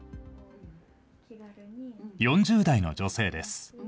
４０代の女性です。